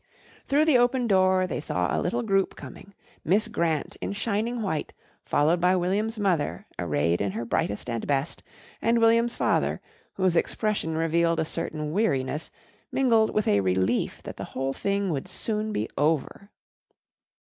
Through the open door they saw a little group coming Miss Grant in shining white, followed by William's mother, arrayed in her brightest and best, and William's father, whose expression revealed a certain weariness mingled with a relief that the whole thing would soon be over.